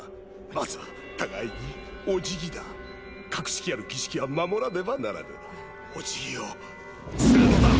まずは互いにお辞儀だ格式ある儀式は守らねばならぬお辞儀をするのだ！